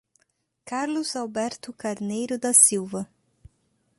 Carlos Alberto Carneiro da Silva